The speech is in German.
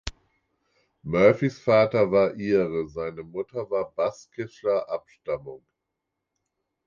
Murphys Vater war Ire, seine Mutter war baskischer Abstammung.